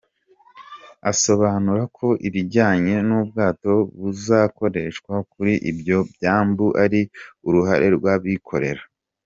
Asobanura ko ibijyanye n’ubwato buzakoreshwa kuri ibyo byambu ari uruhare rw’abikorera.